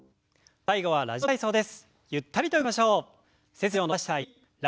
最後は「ラジオ体操」です。